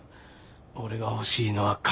俺が欲しいのは金。